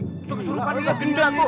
tidak ini adalah gendelamu